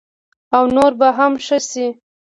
او نور به هم ښه شي.